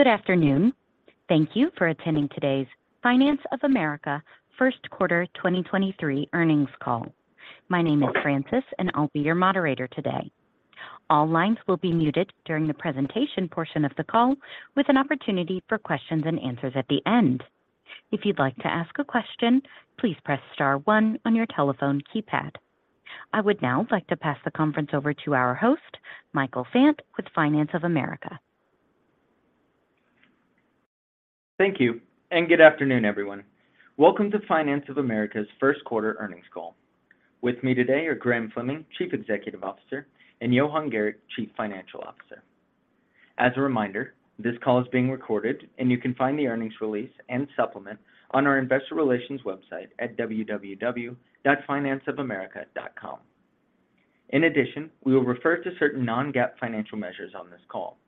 Good afternoon. Thank you for attending today's Finance of America 1st quarter 2023 earnings call. My name is Frances and I'll be your moderator today. All lines will be muted during the presentation portion of the call with an opportunity for questions and answers at the end. If you'd like to ask a question, please press star one on your telephone keypad. I would now like to pass the conference over to our host, Michael Fant with Finance of America. Thank you and good afternoon, everyone. Welcome to Finance of America's first quarter earnings call. With me today are Graham Fleming, Chief Executive Officer, and Johan Gericke, Chief Financial Officer. As a reminder, this call is being recorded. You can find the earnings release and supplement on our investor relations website at www.financeofamerica.com. In addition, we will refer to certain non-GAAP financial measures on this call.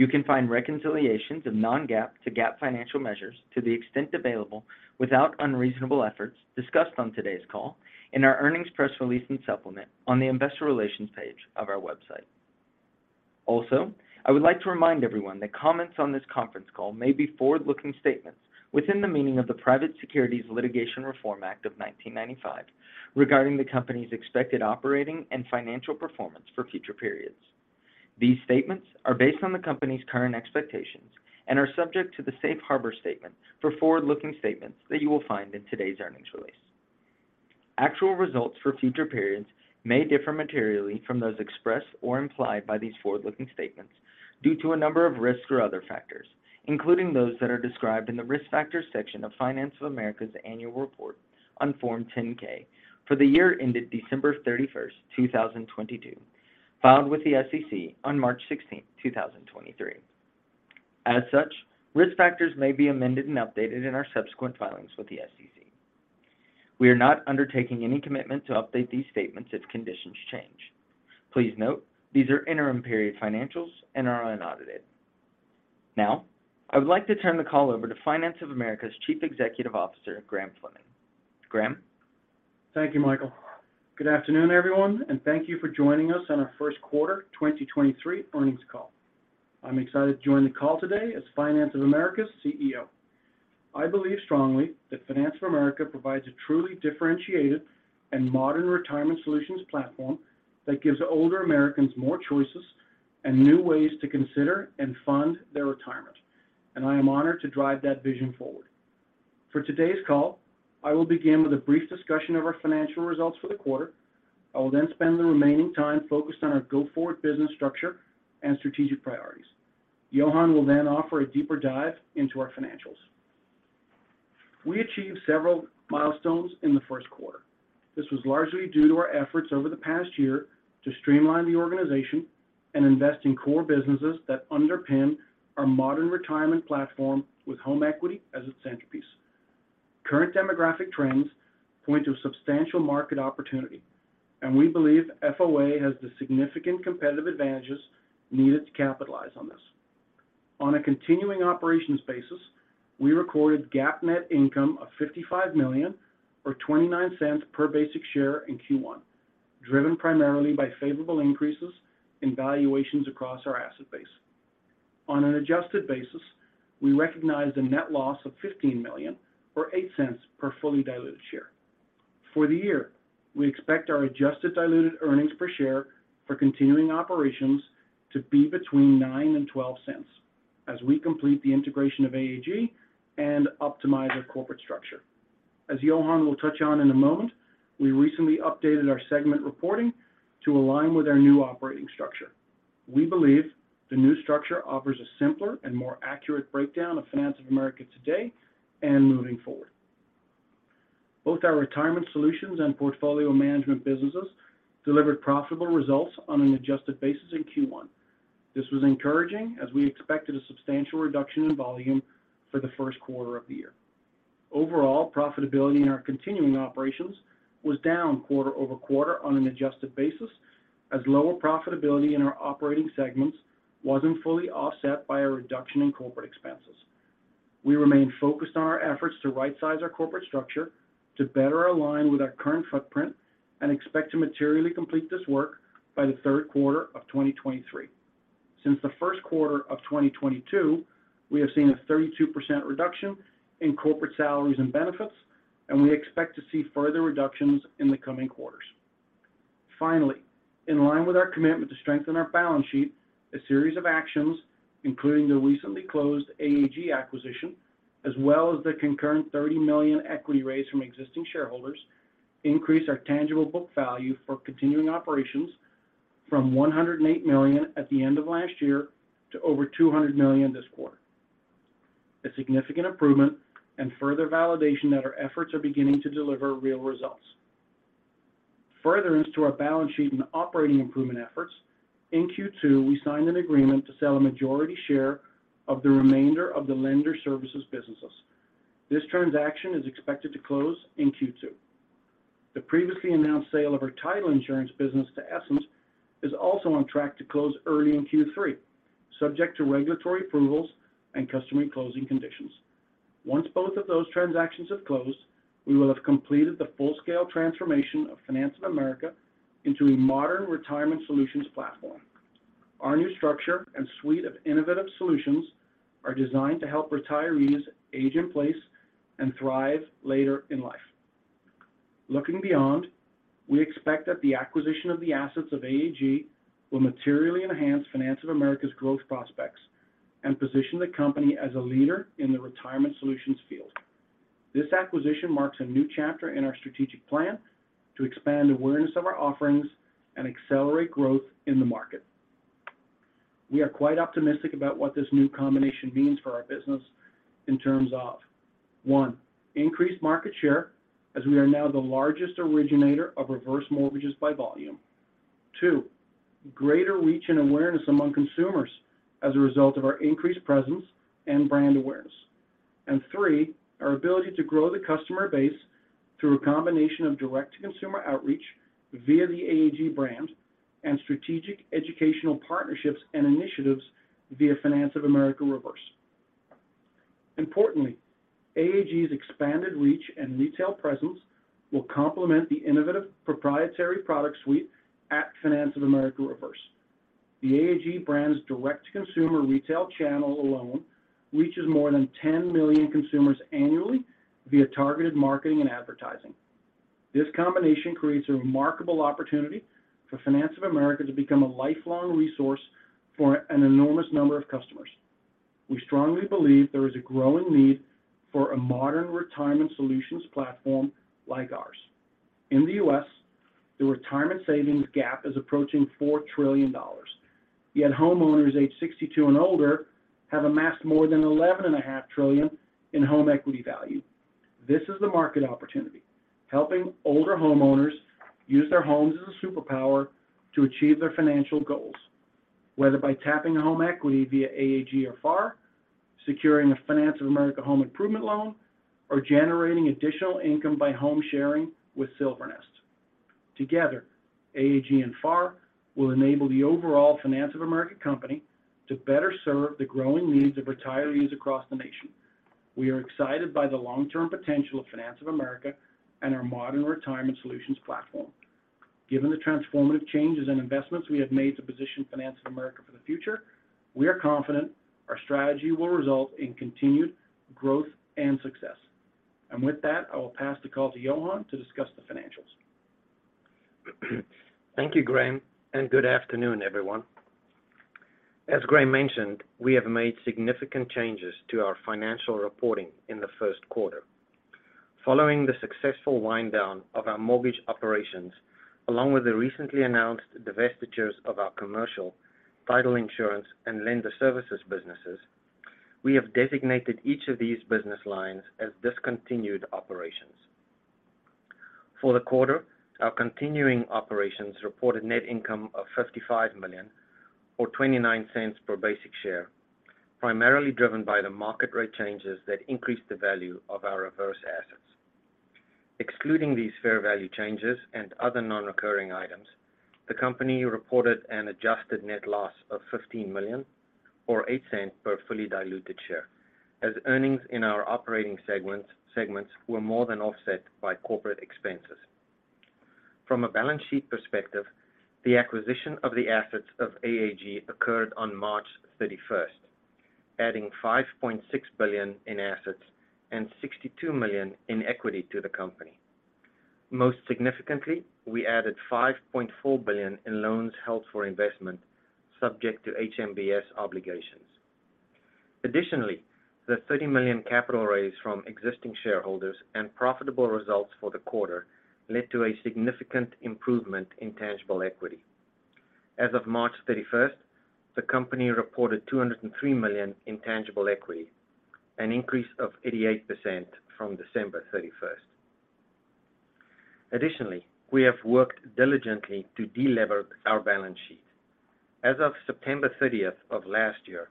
You can find reconciliations of non-GAAP to GAAP financial measures to the extent available without unreasonable efforts discussed on today's call in our earnings press release and supplement on the investor relations page of our website. I would like to remind everyone that comments on this conference call may be forward-looking statements within the meaning of the Private Securities Litigation Reform Act of 1995 regarding the company's expected operating and financial performance for future periods. These statements are based on the company's current expectations and are subject to the safe harbor statement for forward-looking statements that you will find in today's earnings release. Actual results for future periods may differ materially from those expressed or implied by these forward-looking statements due to a number of risks or other factors, including those that are described in the Risk Factors section of Finance of America's annual report on Form 10-K for the year ended December 31, 2022, filed with the SEC on March 16, 2023. Risk factors may be amended and updated in our subsequent filings with the SEC. We are not undertaking any commitment to update these statements if conditions change. Please note, these are interim period financials and are unaudited. Now I would like to turn the call over to Finance of America's Chief Executive Officer, Graham Fleming. Graham? Thank you Michael. Good afternoon everyone, and thank you for joining us on our first quarter 2023 earnings call. I'm excited to join the call today as Finance of America's CEO. I believe strongly that Finance of America provides a truly differentiated and modern retirement solutions platform that gives older Americans more choices and new ways to consider and fund their retirement, and I am honored to drive that vision forward. For today's call, I will begin with a brief discussion of our financial results for the quarter. I will then spend the remaining time focused on our go-forward business structure and strategic priorities. Johan will then offer a deeper dive into our financials. We achieved several milestones in the first quarter. This was largely due to our efforts over the past year to streamline the organization and invest in core businesses that underpin our modern retirement platform with home equity as its centerpiece. Current demographic trends point to a substantial market opportunity, and we believe FOA has the significant competitive advantages needed to capitalize on this. On a continuing operations basis, we recorded GAAP net income of $55 million, or $0.29 per basic share in Q1, driven primarily by favorable increases in valuations across our asset base. On an adjusted basis, we recognized a net loss of $15 million, or $0.08 per fully diluted share. For the year, we expect our adjusted diluted earnings per share for continuing operations to be between $0.09 and $0.12 as we complete the integration of AAG and optimize our corporate structure. As Johan will touch on in a moment, we recently updated our segment reporting to align with our new operating structure. We believe the new structure offers a simpler and more accurate breakdown of Finance of America today and moving forward. Both our retirement solutions and portfolio management businesses delivered profitable results on an adjusted basis in Q1. This was encouraging as we expected a substantial reduction in volume for the first quarter of the year. Overall, profitability in our continuing operations was down quarter-over-quarter on an adjusted basis as lower profitability in our operating segments wasn't fully offset by a reduction in corporate expenses. We remain focused on our efforts to rightsize our corporate structure to better align with our current footprint and expect to materially complete this work by the third quarter of 2023. Since the first quarter of 2022, we have seen a 32% reduction in corporate salaries and benefits, and we expect to see further reductions in the coming quarters. Finally, in line with our commitment to strengthen our balance sheet, a series of actions, including the recently closed AAG acquisition, as well as the concurrent $30 million equity raise from existing shareholders, increase our tangible book value for continuing operations from $108 million at the end of last year to over $200 million this quarter. A significant improvement and further validation that our efforts are beginning to deliver real results. Further into our balance sheet and operating improvement efforts, in Q2 we signed an agreement to sell a majority share of the remainder of the lender services businesses. This transaction is expected to close in Q2. The previously announced sale of our title insurance business to Essent is also on track to close early in Q3, subject to regulatory approvals and customary closing conditions. Once both of those transactions have closed, we will have completed the full-scale transformation of Finance of America into a modern retirement solutions platform. Our new structure and suite of innovative solutions are designed to help retirees age in place and thrive later in life. Looking beyond, we expect that the acquisition of the assets of AAG will materially enhance Finance of America's growth prospects and position the company as a leader in the retirement solutions field. This acquisition marks a new chapter in our strategic plan to expand awareness of our offerings and accelerate growth in the market. We are quite optimistic about what this new combination means for our business in terms of, 1, increased market share, as we are now the largest originator of reverse mortgages by volume. Two, greater reach and awareness among consumers as a result of our increased presence and brand awareness. Three, our ability to grow the customer base through a combination of direct-to-consumer outreach via the AAG brand and strategic educational partnerships and initiatives via Finance of America Reverse. Importantly, AAG's expanded reach and retail presence will complement the innovative proprietary product suite at Finance of America Reverse. The AAG brand's direct-to-consumer retail channel alone reaches more than 10 million consumers annually via targeted marketing and advertising. This combination creates a remarkable opportunity for Finance of America to become a lifelong resource for an enormous number of customers. We strongly believe there is a growing need for a modern retirement solutions platform like ours. In the U.S., the retirement savings gap is approaching $4 trillion, yet homeowners age 62 and older have amassed more than $11.5 trillion in home equity value. This is the market opportunity, helping older homeowners use their homes as a superpower to achieve their financial goals, whether by tapping home equity via AAG or FAR, securing a Finance of America home improvement loan or generating additional income by home sharing with Silvernest. Together, AAG and FAR will enable the overall Finance of America company to better serve the growing needs of retirees across the nation. We are excited by the long-term potential of Finance of America and our modern retirement solutions platform. Given the transformative changes in investments we have made to position Finance of America for the future, we are confident our strategy will result in continued growth and success. With that, I will pass the call to Johan to discuss the financials. Thank you Graham and good afternoon, everyone. As Graham mentioned, we have made significant changes to our financial reporting in the first quarter. Following the successful wind down of our mortgage operations, along with the recently announced divestitures of our commercial, title insurance, and lender services businesses, we have designated each of these business lines as discontinued operations. For the quarter, our continuing operations reported net income of $55 million or $0.29 per basic share, primarily driven by the market rate changes that increased the value of our reverse assets. Excluding these fair value changes and other non-recurring items, the company reported an adjusted net loss of $15 million or $0.08 per fully diluted share, as earnings in our operating segments were more than offset by corporate expenses. From a balance sheet perspective, the acquisition of the assets of AAG occurred on March 31st, adding $5.6 billion in assets and $62 million in equity to the company. Most significantly, we added $5.4 billion in loans held for investment subject to HMBS obligations. The $30 million capital raise from existing shareholders and profitable results for the quarter led to a significant improvement in tangible equity. As of March 31st, the company reported $203 million in tangible equity, an increase of 88% from December 31st. We have worked diligently to de-lever our balance sheet. As of September 30th of last year,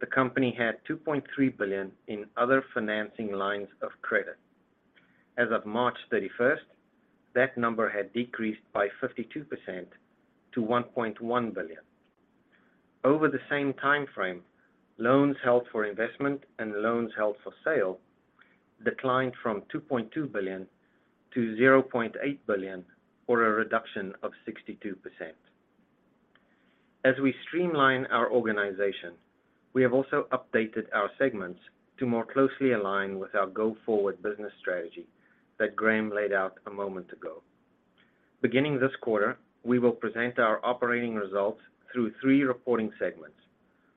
the company had $2.3 billion in other financing lines of credit. As of March 31st, that number had decreased by 52% to $1.1 billion. Over the same timeframe, loans held for investment and loans held for sale declined from $2.2 billion to $0.8 billion, or a reduction of 62%. As we streamline our organization, we have also updated our segments to more closely align with our go-forward business strategy that Graham laid out a moment ago. Beginning this quarter, we will present our operating results through three reporting segments: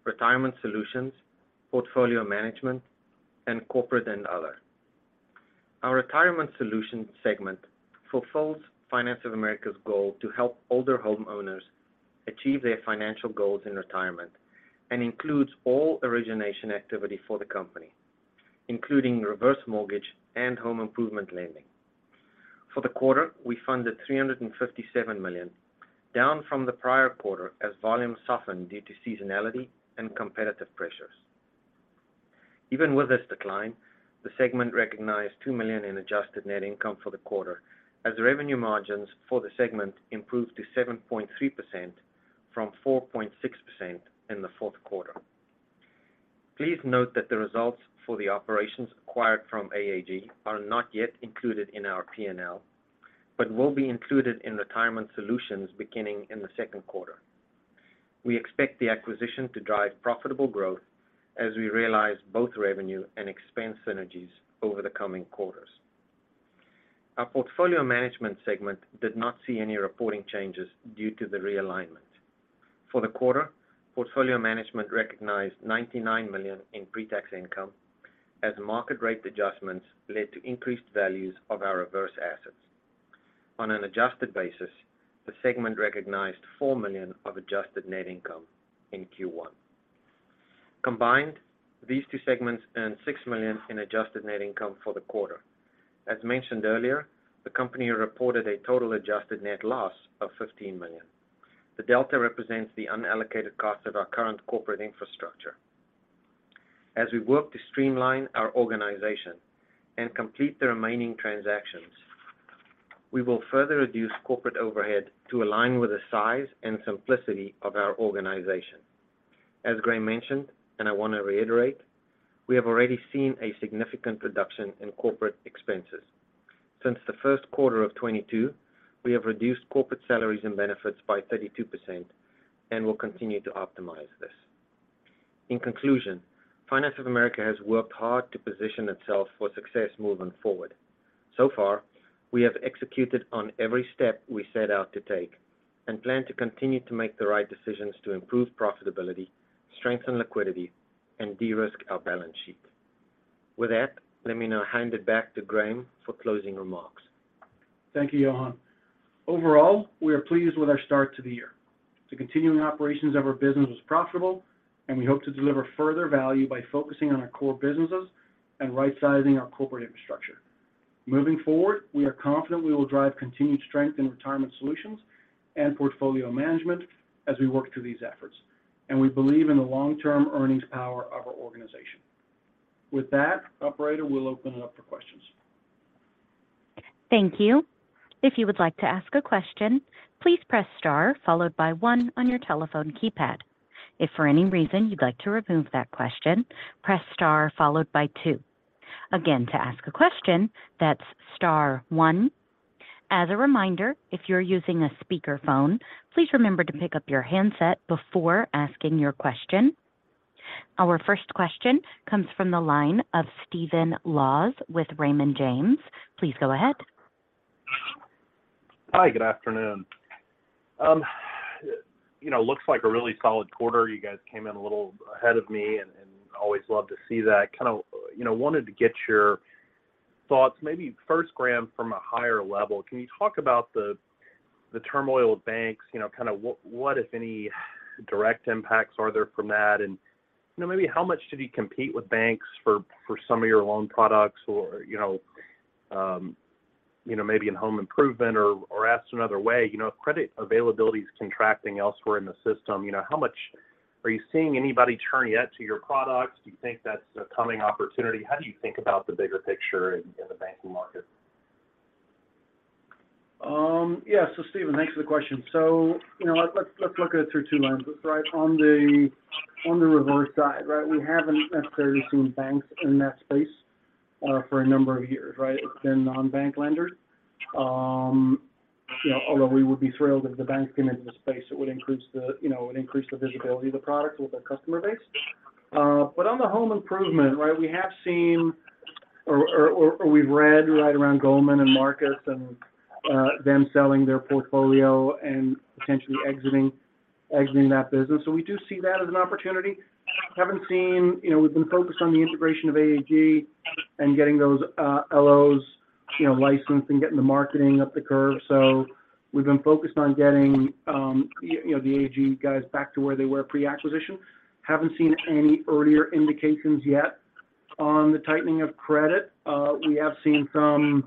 retirement solutions, portfolio management, and corporate and other. Our retirement solutions segment fulfills Finance of America's goal to help older homeowners achieve their financial goals in retirement and includes all origination activity for the company, including reverse mortgage and home improvement lending. For the quarter, we funded $357 million, down from the prior quarter as volumes softened due to seasonality and competitive pressures. Even with this decline, the segment recognized $2 million in adjusted net income for the quarter as revenue margins for the segment improved to 7.3% from 4.6% in the fourth quarter. Please note that the results for the operations acquired from AAG are not yet included in our P&L, but will be included in Retirement Solutions beginning in the second quarter. We expect the acquisition to drive profitable growth as we realize both revenue and expense synergies over the coming quarters. Our Portfolio Management segment did not see any reporting changes due to the realignment. For the quarter, Portfolio Management recognized $99 million in pre-tax income as market rate adjustments led to increased values of our reverse assets. On an adjusted basis, the segment recognized $4 million of adjusted net income in Q1. Combined, these two segments earned $6 million in adjusted net income for the quarter. As mentioned earlier, the company reported a total adjusted net loss of $15 million. The delta represents the unallocated cost of our current corporate infrastructure. As we work to streamline our organization and complete the remaining transactions, we will further reduce corporate overhead to align with the size and simplicity of our organization. As Graham mentioned, and I want to reiterate, we have already seen a significant reduction in corporate expenses. Since the first quarter of 2022, we have reduced corporate salaries and benefits by 32% and will continue to optimize this. In conclusion, Finance of America has worked hard to position itself for success moving forward. So far, we have executed on every step we set out to take and plan to continue to make the right decisions to improve profitability, strengthen liquidity, and de-risk our balance sheet. With that, let me now hand it back to Graham for closing remarks. Thank you, Johan. Overall, we are pleased with our start to the year. The continuing operations of our business was profitable, and we hope to deliver further value by focusing on our core businesses and rightsizing our corporate infrastructure. Moving forward, we are confident we will drive continued strength in Retirement Solutions and Portfolio Management as we work through these efforts. We believe in the long-term earnings power of our organization. With that, operator, we'll open it up for questions. Thank you. If you would like to ask a question, please press star followed by one on your telephone keypad. If for any reason you'd like to remove that question, press star followed by two. Again, to ask a question, that's star one. As a reminder, if you're using a speakerphone, please remember to pick up your handset before asking your question. Our first question comes from the line of Stephen Laws with Raymond James. Please go ahead. Hi, good afternoon. You know, looks like a really solid quarter. You guys came in a little ahead of me and always love to see that. Kind of, you know wanted to get your thoughts maybe first, Graham, from a higher level. Can you talk about the turmoil of banks? You know kind of what, if any, direct impacts are there from that? You know, maybe how much did you compete with banks for some of your loan products or you know, maybe in home improvement? Or asked another way, you know, if credit availability is contracting elsewhere in the system, you know, how much are you seeing anybody turn yet to your products? Do you think that's a coming opportunity? How do you think about the bigger picture in the banking market? Yeah. Stephen, thanks for the question. You know, let's look at it through two lenses, right? On the Reverse side, right? We haven't necessarily seen banks in that space for a number of years, right? It's been non-bank lenders. You know, although we would be thrilled if the banks came into the space, it would increase the visibility of the product with our customer base. But on the home improvement, right? We have seen, or we've read right around Goldman and Marcus and them selling their portfolio and potentially exiting that business. We do see that as an opportunity. Haven't seen. You know, we've been focused on the integration of AAG and getting those LOs, you know, licensed and getting the marketing up the curve. We've been focused on getting, you know, the AAG guys back to where they were pre-acquisition. Haven't seen any earlier indications yet on the tightening of credit. We have seen some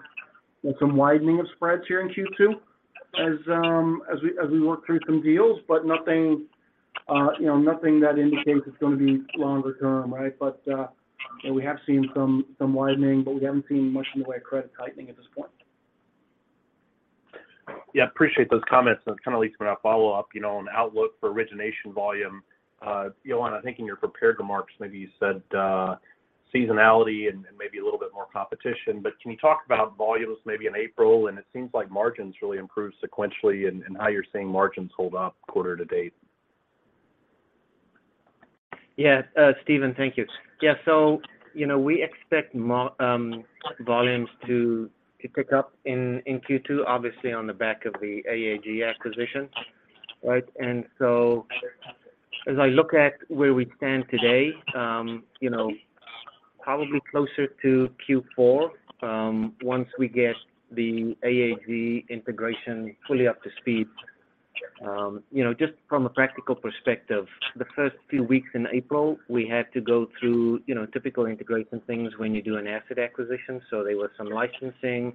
widening of spreads here in Q2 as we work through some deals, nothing, you know, nothing that indicates it's going to be longer term, right? You know, we have seen some widening, but we haven't seen much in the way of credit tightening at this point. Yeah, appreciate those comments. That kind of leads me to my follow-up, you know, on outlook for origination volume. Johan I think in your prepared remarks maybe you said, seasonality and maybe a little bit more competition. Can you talk about volumes maybe in April? It seems like margins really improved sequentially and how you're seeing margins hold up quarter to date. Yeah. Stephen thank you. You know, we expect volumes to pick up in Q2, obviously on the back of the AAG acquisition, right? As I look at where we stand today, you know, probably closer to Q4, once we get the AAG integration fully up to speed. You know, just from a practical perspective, the first few weeks in April, we had to go through, you know, typical integration things when you do an asset acquisition. There was some licensing,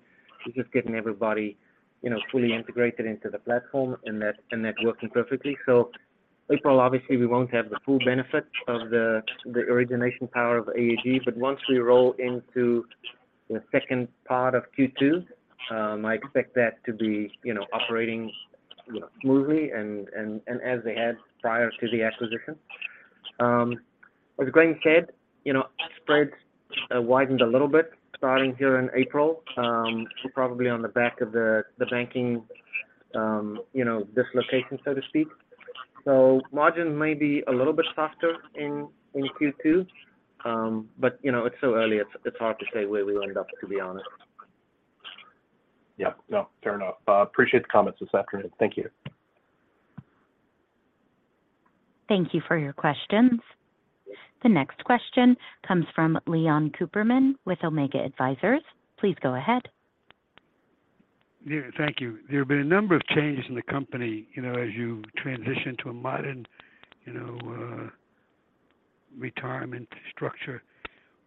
just getting everybody, you know, fully integrated into the platform and that's working perfectly. April, obviously we won't have the full benefit of the origination power of AAG, but once we roll into the second part of Q2, I expect that to be, you know, operating, you know, smoothly and as they had prior to the acquisition. As Graham said, you know, spreads widened a little bit starting here in April, probably on the back of the banking, you know, dislocation, so to speak. Margin may be a little bit softer in Q2, but, you know, it's so early it's hard to say where we'll end up, to be honest. Yeah. No, fair enough. Appreciate the comments this afternoon. Thank you. Thank you for your questions. The next question comes from Leon Cooperman with Omega Advisors. Please go ahead. Yeah, thank you. There have been a number of changes in the company you know, as you transition to a modern, you know, retirement structure.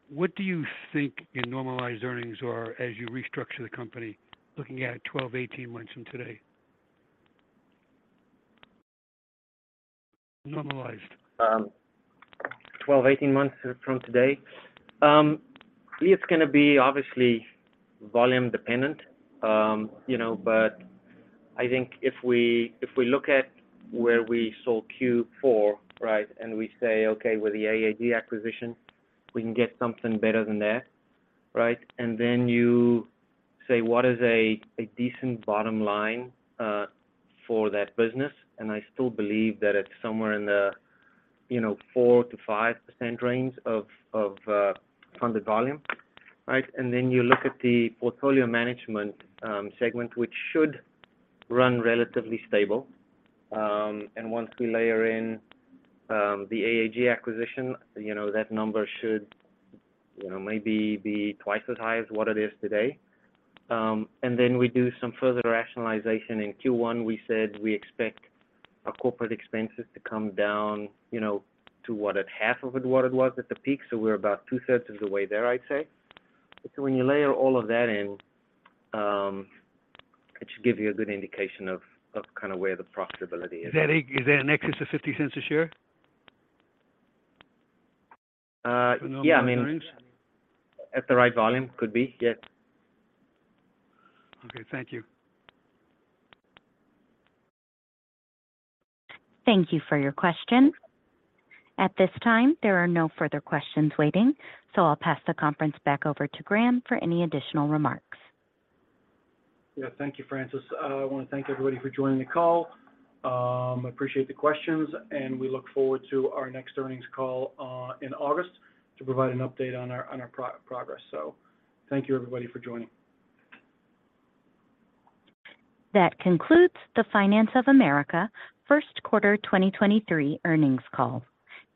What do you think your normalized earnings are as you restructure the company looking at 12, 18 months from today? Normalized. 12, 18 months from today, it's gonna be obviously volume dependent, you know. I think if we look at where we saw Q4, right? We say, "Okay, with the AAG acquisition, we can get something better than that," right? Then you say, "What is a decent bottom line for that business?" I still believe that it's somewhere in the, you know, 4%-5% range of funded volume, right? Then you look at the portfolio management segment, which should run relatively stable. Once we layer in the AAG acquisition, you know, that number should, you know, maybe be 2x as high as what it is today. Then we do some further rationalization. In Q1 we said we expect our corporate expenses to come down, you know, to what, at half of what it was at the peak, so we're about two-thirds of the way there, I'd say. When you layer all of that in, it should give you a good indication of kind of where the profitability is. Is that in excess of $0.50 a share? Yeah, I mean. Normalized earnings? At the right volume could be, yes. Okay. Thank you. Thank you for your question. At this time, there are no further questions waiting, so I'll pass the conference back over to Graham for any additional remarks. Yeah. Thank you, Frances. I wanna thank everybody for joining the call. Appreciate the questions, and we look forward to our next earnings call in August to provide an update on our progress. Thank you everybody for joining. That concludes the Finance of America first quarter 2023 earnings call.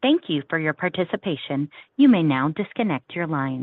Thank you for your participation. You may now disconnect your line.